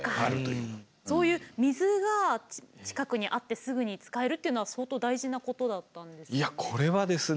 そういう水が近くにあってすぐに使えるというのは相当大事なことだったんですよね。